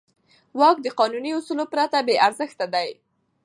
واک د قانوني اصولو پرته بېارزښته دی.